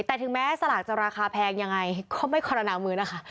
แต่ถึงแม้สลากจะราคาแพงยังไงก็ไม่คอรณามือนะคะ